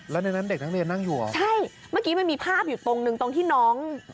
แล้วในนั้นเด็กนักเรียนนั่งอยู่เหรอใช่เมื่อกี้มันมีภาพอยู่ตรงหนึ่งตรงที่น้อง